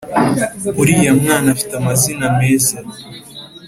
Uriya mwana afite amazina meza